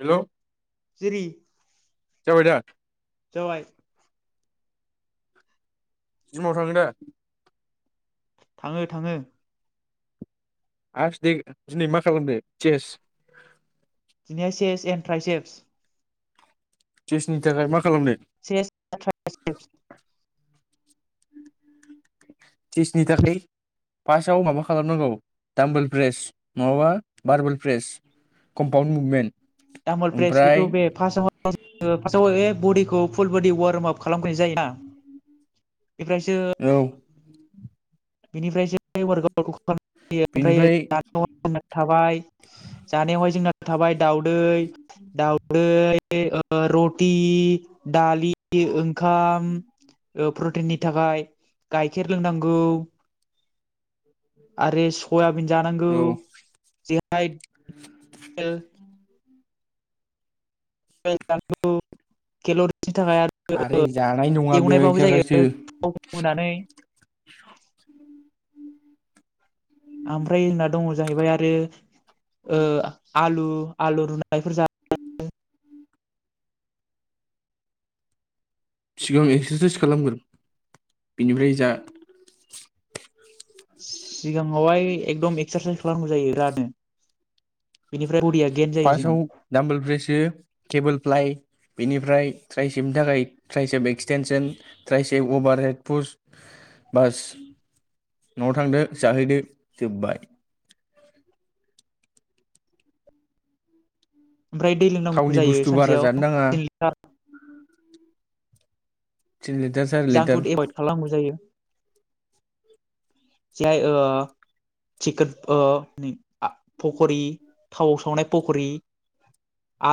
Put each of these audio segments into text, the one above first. Hello जिरि जाबाय दा जाबाय जिमाव थाङो दा थाङो थाङो आंसदै दिनै मा खालामदो चेस [unintelligible] जेसनि थाखाय मा खालामनो [unintelligible] चेसनि थाखाय फासआव माबा खालामनांगौ दामबोल प्रेस नङाबा भार्बल प्रेस कम्पाउन्ड मुभमेन्ट तामल प्रेस बेथ' ओमफ्राय बे फास्ट [unintelligible] बडिखौ फुल बडि वार्मआप खालामग्रोनाय जायो ना इफ्रायसो औ बिनिफ्राय जे [unintelligible] वर्क आउटखौ बिनिफ्राय [unintelligible] थाबाय जानायावहाय जोंना थाबाय दावदै दावदै ओ रटि दालि ओंखाम ओ प्रटिननि थाखाय गाइखेर लोंनांगौ आरो सयाबिन जानांगौ औ जेरहाय [unintelligible] [unintelligible] केल'रि बिनि [unintelligible] थाखाय आरो जानाय नङा बे एवनायबाबो जायो एक्सारसाइसो थाव होनानै आमफ्राय जोंना दङ जाहैबाय आरो ओ आलु आलु रुनायफोर जा [unintelligible] सिगां एक्सारसाइस खालामगोर बेनिफ्राय जा सिगाङावहाय एकदम एक्सारसाइस खालामनांगौ जायो [unintelligible] रानो बेनि फार्स्टआव दामबोल ब्रेसो केेबोल फ्लाइ बेनिफ्राय ट्राय सेबनि थाखाय ट्राय सेब एक्सटेनसन ट्राय सेब अभार हेडपस्ट बास न'आव थांदो जाहैदो जोब्बाय ओमफ्राय दै लोंनांगौ थावनि जायो बुस्थु बारा सानसेयाव जानो नाङा तिन लिटार तिन लिटार सारि जांक लिटार फुड एभयद खालामांगौ जायो। जाय ओ चिकेन पकरि थावाव सावनाय पकरि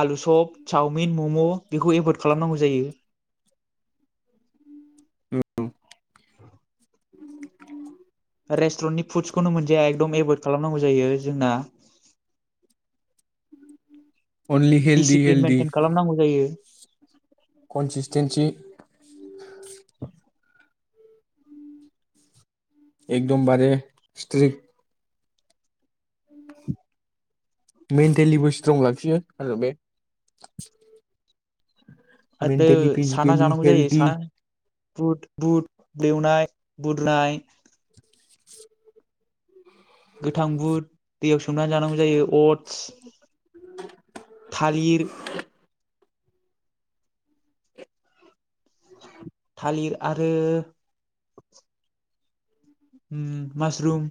आलु सप चावमिन मम' बेखौ एभयड खालामनांगौ जायो। [unintelligible] रेस्ट्रननि फुडस खौनो मोनजाया एकदम एभयद खालामनांगौ जायो जोंना अनलि हेलदि दिसिप्लिन मेइेनटेन खालामनांगौ जायो कनस्टिटेन्सि एकदमबारे स्ट्रिक मेन्टेलिबो स्ट्रं लाखियो आरो बे आरो मेन्टेलि साना फिजिकेलि जानांगौ जायो हेल्दि सान बुट बुट बेवनाय बुदनाय गोथां बुट दैयाव सोमना जानांगौ जायो अटस थालिर थालिर आरो उम मासरुम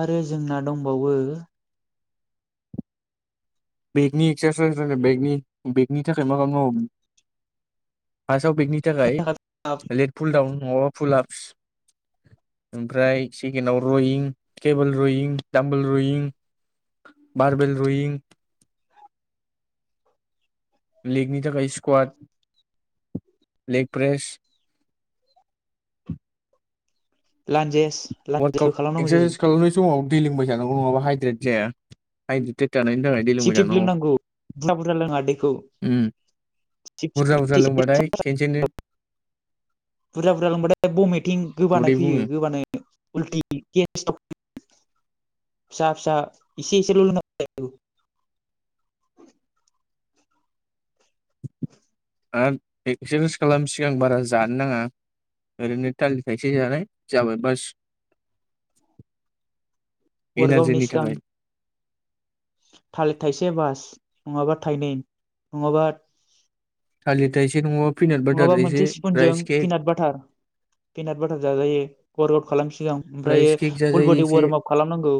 आरो जोंना दंबावो बेगनि एक्सारसाइस रायलाय बेगनि बेगनि थाखाय मा मा मावो [unintelligible] बेकनि थाखाय लेट फुलडाउन न फुलाबस ओमफ्राय सेकेणडआव रयिं टेबोल रयिं दामाबोल रयिं मार्बेल रयिं लेगनि थाखाय स्कवाड लेग प्रेस लान्जेस लान्जेसबो वार्कआउट खालामनांगौ जायो एक्सारसाइस खालामनाय समाव दै लोंबाय थानांगौ नङाबा हाइद्रे जाया हाइदसेद्रे थिब थिब लोंनांगौ बुरजा बुरजा लोङा दैखौ । उम बुरजा बुरजा लोंबाथाय खेनसेनो [inaudible] बुरजा बुरजा लांबाथाय बम किं गोबानाय उदै फैयो बुङो गोबानाय उल्टि गेस सट फिसा फिसा इसे इसे लोंनांगौ आरो एक्सारेस खालाम सिगां बारा जानो नाङा ओरैनो थालिर थाइसे जानाय जाबाय बास । वार्कआउटनि इनारजेनि सिगां थाखाय । थालिर थाइसे बास नङाबा थाइनै नङाबा थालिर थाइसे नङा नङाबा मोनसे स्पुनजों पिनाट बाटार पिनाट बाटार जाजायो वार्कआउट खालाम सिगां राइस ओमफ्रायो केक फुल जाजायो बडि एसे वार्मआप खालामनांगौ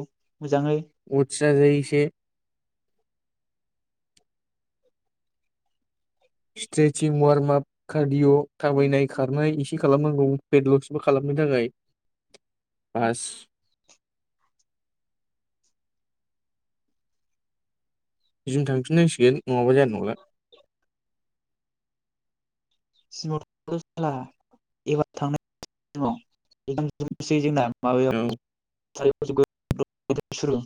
मोजाङै । अटस जाजायो एसे स्ट्रेचं वार्मआप कार्डिअ' थाबायनाय खारनाय एसे खालामनांगौ पेडलसबो खालामनो थाखाय बास । जों थांफिननांसिगोन नङाबा जाया नंला । जिमाव थांनाय जाला एबार थांनांसिगोन [inaudible] जोंना । औ । [inaudible] सुरु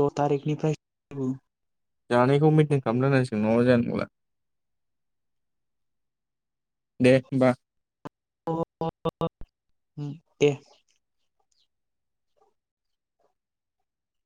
द' थारिखनिफ्राय जेबो जानायखौ मेन्टेन खालामनो होनांसिगोन नाङाबा जानाय नंला दे होमबा । ओ दे ।